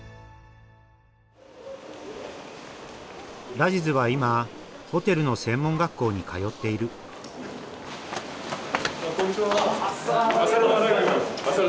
ラジズは今ホテルの専門学校に通っているこんにちは！